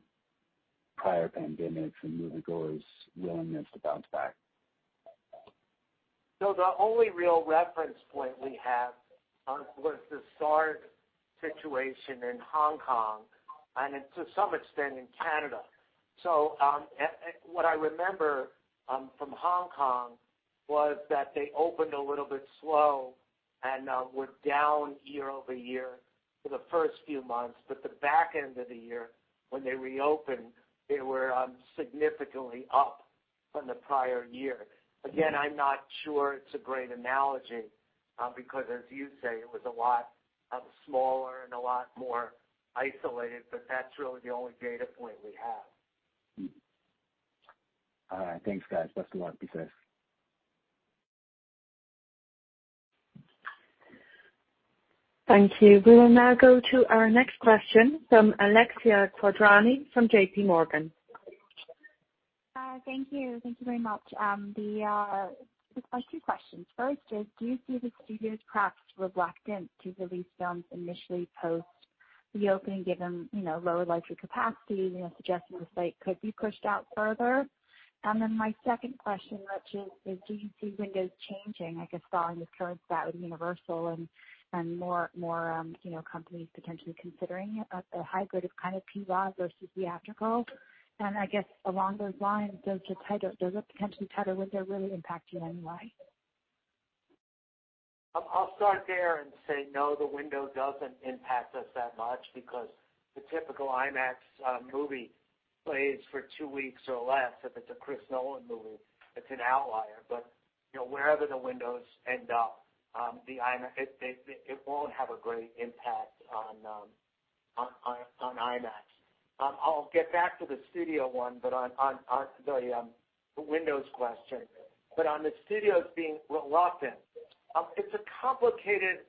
prior pandemics and moviegoers' willingness to bounce back. So the only real reference point we have was the SARS situation in Hong Kong and to some extent in Canada. So what I remember from Hong Kong was that they opened a little bit slow and were down year-over-year for the first few months. But the back end of the year, when they reopened, they were significantly up from the prior year. Again, I'm not sure it's a great analogy, because, as you say, it was a lot smaller and a lot more isolated, but that's really the only data point we have. All right. Thanks, guys. Best of luck. Be safe. Thank you. We will now go to our next question from Alexia Quadrani from J.P. Morgan. Thank you. Thank you very much. The, there's quite a few questions. First is, do you see the studios perhaps reluctant to release films initially post-reopening given, you know, lower likely capacity, you know, suggesting the slate could be pushed out further? Then my second question, Rich, is, do you see windows changing, I guess, following this current bout at Universal and more, you know, companies potentially considering a hybrid of kind of PVOD versus the theatrical? And I guess along those lines, does a potentially tighter window really impact you anyway? I'll start there and say no, the window doesn't impact us that much because the typical IMAX movie plays for two weeks or less. If it's a Chris Nolan movie, it's an outlier. But you know, wherever the windows end up, the IMAX. It won't have a great impact on IMAX. I'll get back to the studio one, but on the windows question. But on the studios being reluctant, it's a complicated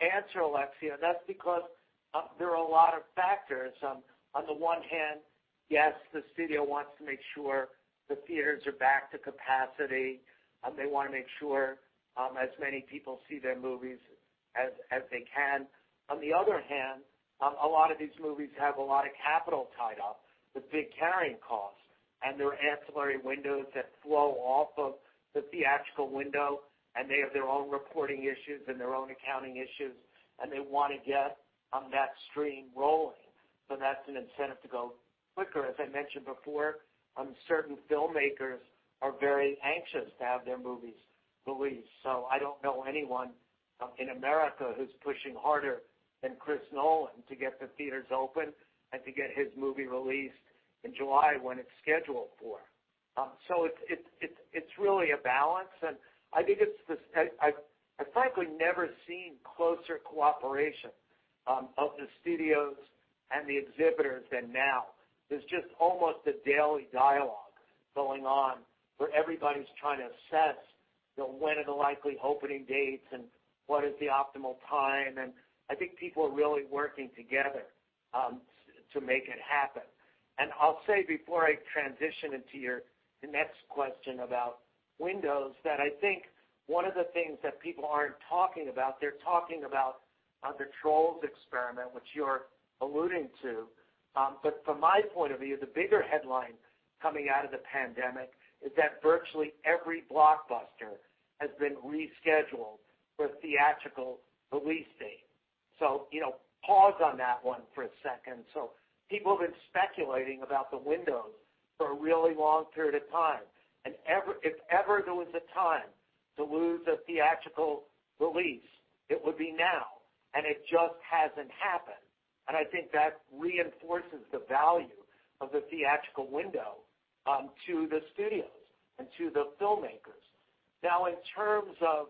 answer, Alexia. And that's because there are a lot of factors. On the one hand, yes, the studio wants to make sure the theaters are back to capacity, and they want to make sure as many people see their movies as they can. On the other hand, a lot of these movies have a lot of capital tied up, the big carrying costs, and there are ancillary windows that flow off of the theatrical window, and they have their own reporting issues and their own accounting issues, and they want to get that stream rolling. So that's an incentive to go quicker. As I mentioned before, certain filmmakers are very anxious to have their movies released. So I don't know anyone in America who's pushing harder than Chris Nolan to get the theaters open and to get his movie released in July when it's scheduled for. It's really a balance. And I think it's. I frankly never seen closer cooperation of the studios and the exhibitors than now. There's just almost a daily dialogue going on where everybody's trying to assess, you know, when are the likely opening dates and what is the optimal time. And I think people are really working together to make it happen. And I'll say before I transition into your next question about windows, that I think one of the things that people aren't talking about. They're talking about the Trolls experiment, which you're alluding to. But from my point of view, the bigger headline coming out of the pandemic is that virtually every blockbuster has been rescheduled for a theatrical release date. So, you know, pause on that one for a second. So people have been speculating about the windows for a really long period of time. And never, if ever there was a time to lose a theatrical release, it would be now. And it just hasn't happened. And I think that reinforces the value of the theatrical window, to the studios and to the filmmakers. Now, in terms of,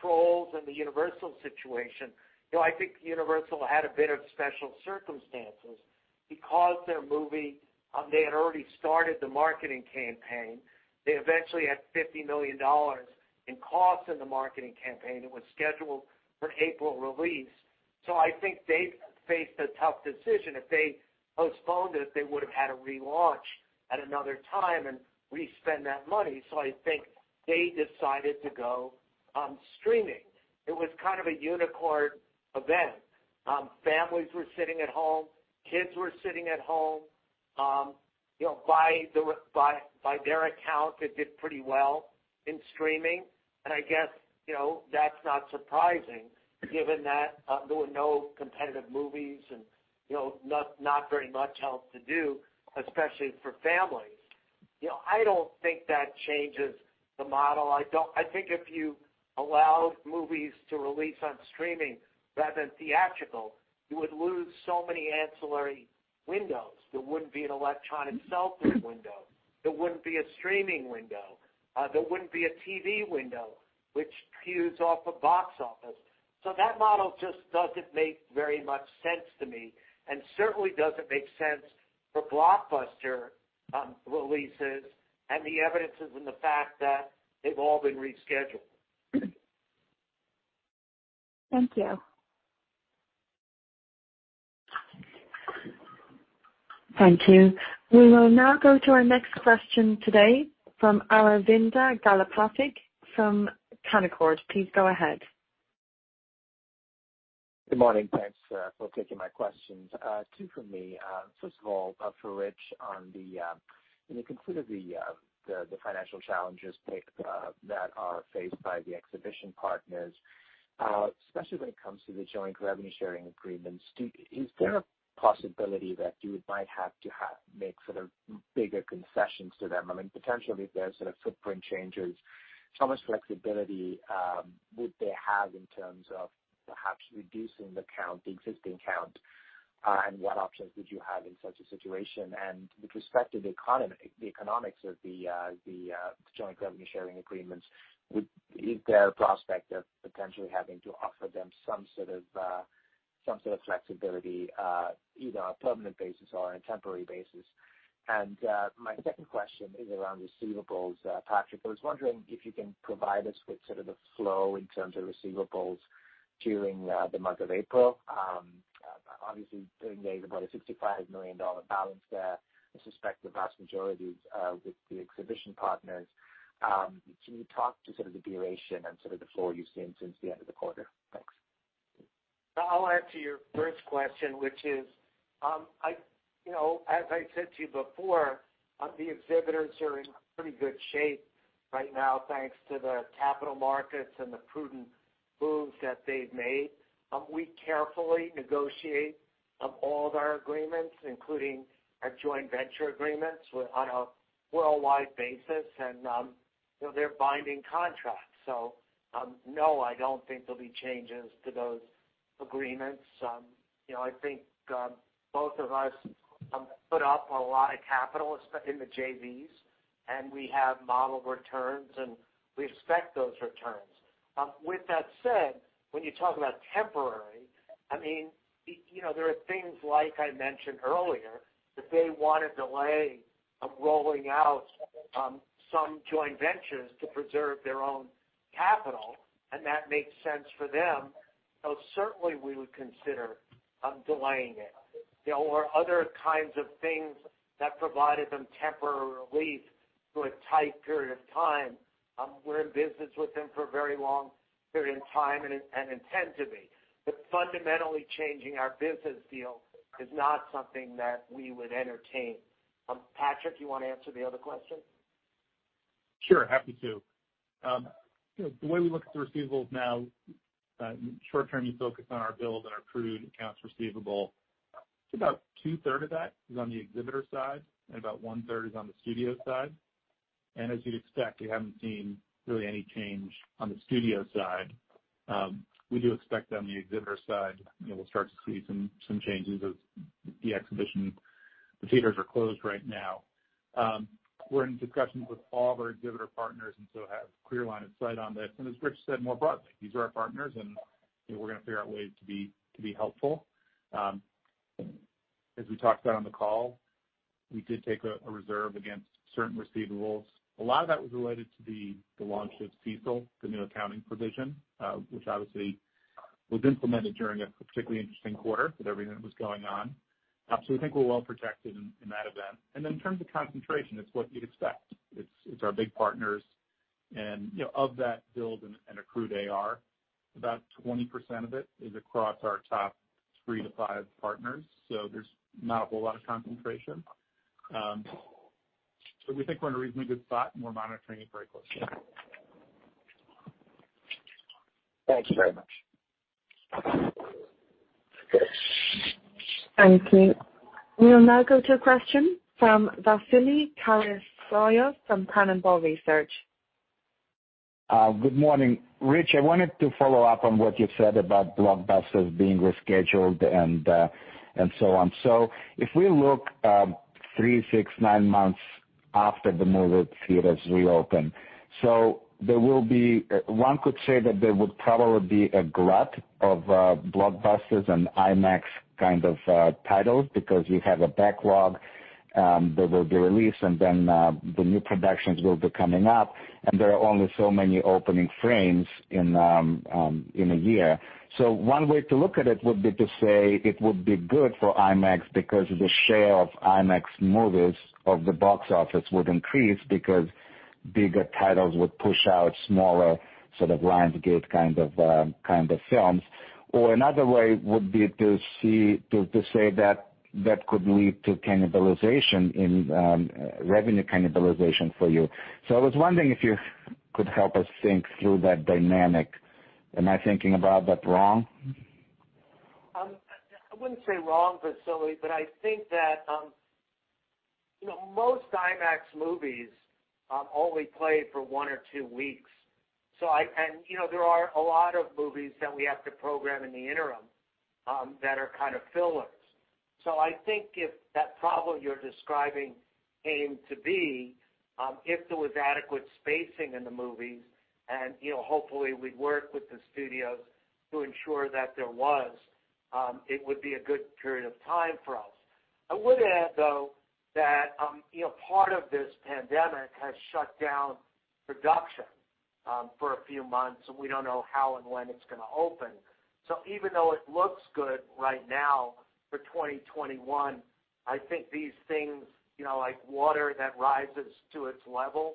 Trolls and the Universal situation, you know, I think Universal had a bit of special circumstances because their movie, they had already started the marketing campaign. They eventually had $50 million in costs in the marketing campaign. It was scheduled for April release. So I think they faced a tough decision. If they postponed it, they would have had a relaunch at another time and re-spend that money. So I think they decided to go, streaming. It was kind of a unicorn event. Families were sitting at home. Kids were sitting at home. You know, by their account, it did pretty well in streaming. And I guess, you know, that's not surprising given that there were no competitive movies and, you know, not very much else to do, especially for families. You know, I don't think that changes the model. I don't think if you allowed movies to release on streaming rather than theatrical, you would lose so many ancillary windows. There wouldn't be an electronic sell-through window. There wouldn't be a streaming window. There wouldn't be a TV window, which keys off of box office. So that model just doesn't make very much sense to me and certainly doesn't make sense for blockbuster releases and the evidence is the fact that they've all been rescheduled. Thank you. Thank you. We will now go to our next question today from Aravinda Galappatthige from Canaccord. Please go ahead. Good morning. Thanks for taking my questions. Two for me. First of all, for Rich on the, when you consider the financial challenges that are faced by the exhibition partners, especially when it comes to the joint revenue-sharing agreements, is there a possibility that you might have to make sort of bigger concessions to them? I mean, potentially, if there's sort of footprint changes, how much flexibility would they have in terms of perhaps reducing the count, the existing count, and what options would you have in such a situation? And with respect to the economics of the joint revenue-sharing agreements, is there a prospect of potentially having to offer them some sort of flexibility, either on a permanent basis or on a temporary basis? And my second question is around receivables, Patrick. I was wondering if you can provide us with sort of the flow in terms of receivables during the month of April. Obviously, during the day, there's about a $65 million balance there. I suspect the vast majority is with the exhibitor partners. Can you talk to sort of the duration and sort of the flow you've seen since the end of the quarter? Thanks. I'll answer your first question, which is, you know, as I said to you before, the exhibitors are in pretty good shape right now, thanks to the capital markets and the prudent moves that they've made. We carefully negotiate all of our agreements, including our joint venture agreements, on a worldwide basis. You know, they're binding contracts. So, no, I don't think there'll be changes to those agreements. You know, I think both of us put up a lot of capital, especially in the JVs, and we have model returns, and we expect those returns. With that said, when you talk about temporary, I mean, you know, there are things, like I mentioned earlier, that they want to delay rolling out some joint ventures to preserve their own capital, and that makes sense for them. So certainly, we would consider delaying it. There were other kinds of things that provided them temporary relief for a tight period of time. We're in business with them for a very long period of time and intend to be. But fundamentally changing our business deal is not something that we would entertain. Patrick, do you want to answer the other question? Sure. Happy to. You know, the way we look at the receivables now, short-term, you focus on our bills and our prudent accounts receivable. It's about two-thirds of that is on the exhibitor side, and about one-third is on the studio side. And as you'd expect, we haven't seen really any change on the studio side. We do expect on the exhibitor side, you know, we'll start to see some changes as the exhibition, the theaters are closed right now. We're in discussions with all of our exhibitor partners and so have clear line of sight on this. And as Rich said more broadly, these are our partners, and, you know, we're going to figure out ways to be helpful. As we talked about on the call, we did take a reserve against certain receivables. A lot of that was related to the launch of CECL, the new accounting provision, which obviously was implemented during a particularly interesting quarter with everything that was going on, so we think we're well protected in that event. And then in terms of concentration, it's what you'd expect. It's our big partners. And you know, of that billed and accrued AR, about 20% of it is across our top three to five partners. So there's not a whole lot of concentration, so we think we're in a reasonably good spot, and we're monitoring it very closely. Thank you very much. Thank you. We will now go to a question from Vasily Karasyov from Cannonball Research. Good morning. Rich, I wanted to follow up on what you said about blockbusters being rescheduled and so on. So if we look three, six, nine months after the movie theaters reopen, so there will be. One could say that there would probably be a glut of blockbusters and IMAX kind of titles because you have a backlog that will be released, and then the new productions will be coming up. And there are only so many opening frames in a year. So one way to look at it would be to say it would be good for IMAX because the share of IMAX movies of the box office would increase because bigger titles would push out smaller sort of Lionsgate kind of films. Or another way would be to see, to say that could lead to cannibalization in revenue cannibalization for you. So I was wondering if you could help us think through that dynamic. Am I thinking about that wrong? I wouldn't say wrong, Vasily, but I think that, you know, most IMAX movies only play for one or two weeks. So I, and, you know, there are a lot of movies that we have to program in the interim, that are kind of fillers. So I think if that problem you're describing came to be, if there was adequate spacing in the movies, and, you know, hopefully we'd work with the studios to ensure that there was, it would be a good period of time for us. I would add, though, that, you know, part of this pandemic has shut down production, for a few months, and we don't know how and when it's going to open. So even though it looks good right now for 2021, I think these things, you know, like water that rises to its level.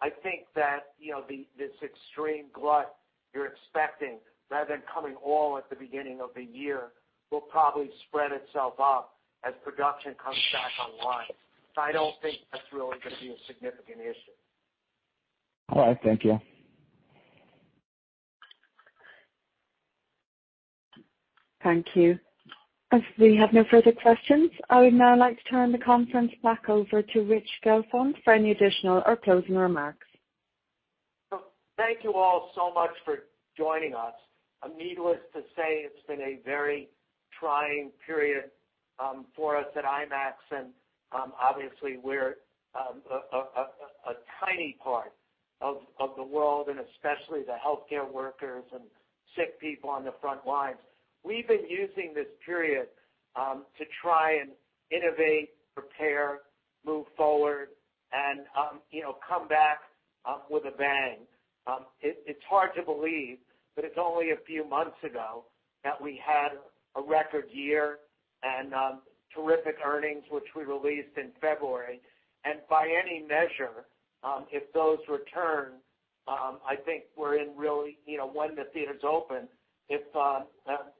I think that, you know, this extreme glut you're expecting, rather than coming all at the beginning of the year, will probably spread itself up as production comes back online. So I don't think that's really going to be a significant issue. All right. Thank you. Thank you. If we have no further questions, I would now like to turn the conference back over to Rich Gelfond for any additional or closing remarks. Thank you all so much for joining us. Needless to say, it's been a very trying period for us at IMAX. And, obviously, we're a tiny part of the world, and especially the healthcare workers and sick people on the front lines. We've been using this period to try and innovate, prepare, move forward, and, you know, come back with a bang. It’s hard to believe, but it’s only a few months ago that we had a record year and terrific earnings, which we released in February. And by any measure, if those return, I think we're in really, you know, when the theaters open, if,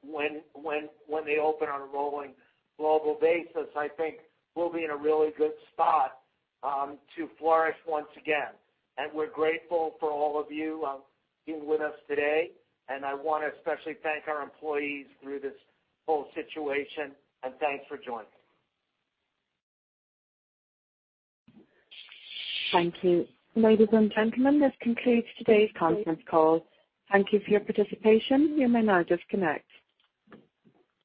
when they open on a rolling global basis, I think we'll be in a really good spot to flourish once again. And we're grateful for all of you being with us today. And I want to especially thank our employees through this whole situation. And thanks for joining. Thank you. Ladies and gentlemen, this concludes today's conference call. Thank you for your participation. You may now disconnect.